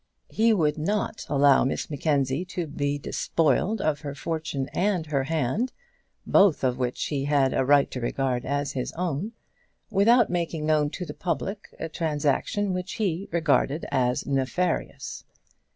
He would not allow Miss Mackenzie to be despoiled of her fortune and her hand, both of which he had a right to regard as his own, without making known to the public a transaction which he regarded as nefarious.